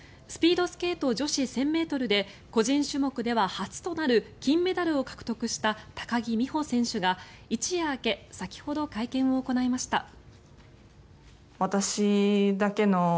スピードスケート女子１０００ｍで個人種目では初となる金メダルを獲得した高木美帆選手が一夜明け先ほど会見を行いました。